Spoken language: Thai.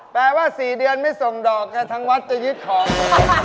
แปลว่า๔เดือนไม่ส่งดอกไงทางวัดจะยึดของ